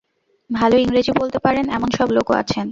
ভাল ইংরেজী বলতে পারেন, এমন সব লোকও আছেন।